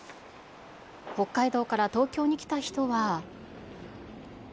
北海道から東京に来た人は。